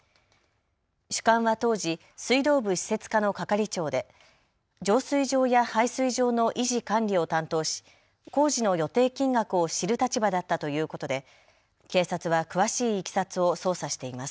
主幹は当時、水道部施設課の係長で浄水場や配水場の維持管理を担当し工事の予定金額を知る立場だったということで警察は詳しいいきさつを捜査しています。